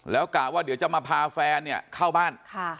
แล้วกะว่าเดี๋ยวจะมาพาแฟนเนี่ยเข้าบ้าน